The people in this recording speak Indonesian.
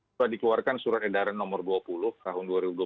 sudah dikeluarkan surat edaran nomor dua puluh tahun dua ribu dua puluh